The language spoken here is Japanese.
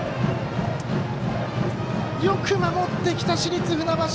よく守ってきた市立船橋。